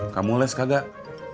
kamu les kagak